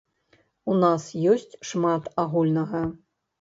У нас ёсць шмат агульнага.